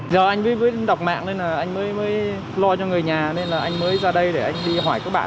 giờ anh mới đọc mạng nên là anh mới lo cho người nhà nên là anh mới ra đây để anh đi hỏi các bạn